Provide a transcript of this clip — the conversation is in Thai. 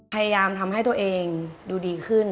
พยายามทำให้ตัวเองดูดีขึ้น